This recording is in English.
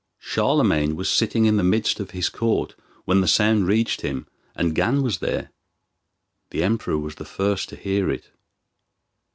Charlemagne was sitting in the midst of his court when the sound reached him, and Gan was there. The Emperor was the first to hear it.